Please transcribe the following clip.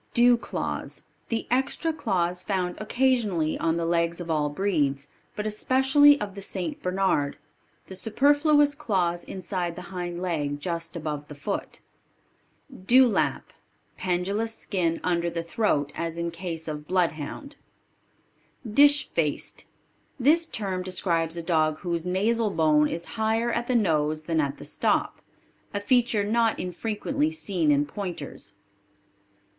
Dew claws. The extra claws found occasionally on the legs of all breeds, but especially of the St. Bernard; the superfluous claws inside the hind leg just above the foot. Dewlap. Pendulous skin under the throat as in case of Blood hound. Dish faced. This term describes a dog whose nasal bone is higher at the nose than at the stop a feature not infrequently seen in pointers.